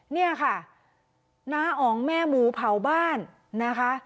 เนี่ยค่ะน้าอ๋องแม่หมูเผาบ้านนะคะ